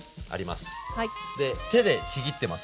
で手でちぎってます